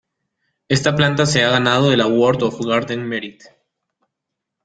Esta planta se ha ganado el Award of Garden Merit.